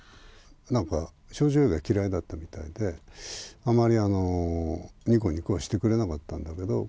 なんか少女Ａが嫌いだったみたいで、あまりにこにこはしてくれなかったんだけど。